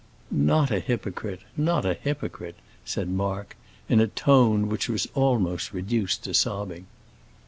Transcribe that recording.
"Not a hypocrite not a hypocrite," said Mark, in a tone which was almost reduced to sobbing.